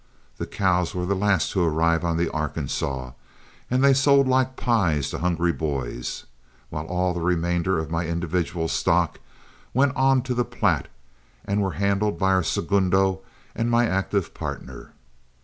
The cows were the last to arrive on the Arkansas, and they sold like pies to hungry boys, while all the remainder of my individual stock went on to the Platte and were handled by our segundo and my active partner.